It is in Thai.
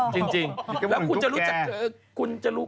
จริงและคุณจะรู้